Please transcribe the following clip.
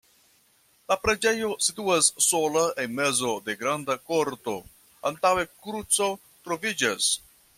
La preĝejo situas sola en mezo de granda korto, antaŭe kruco troviĝas.